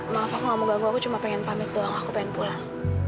maaf aku nggak mau ganggu aku cuma pengen pamit doang aku pengen pulang